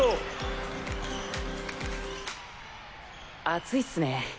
暑いっすね。